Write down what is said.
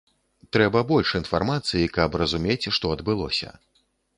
Трэба больш інфармацыі, каб разумець, што адбылося.